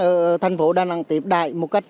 ở thành phố đà nẵng tiếp đại một cách